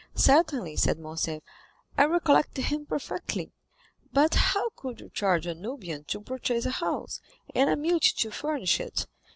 "Certainly," said Morcerf; "I recollect him perfectly. But how could you charge a Nubian to purchase a house, and a mute to furnish it?